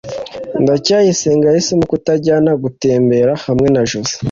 ndacyayisenga yahisemo kutajyana gutembera hamwe na joze